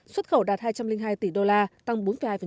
xuất khẩu đạt hai trăm linh hai tỷ đô la tăng bốn hai